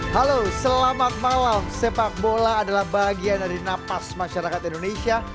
halo selamat malam sepak bola adalah bagian dari napas masyarakat indonesia